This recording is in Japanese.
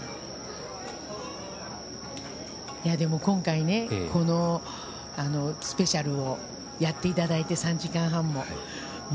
今回、このスペシャルをやっていただいて３時間半も。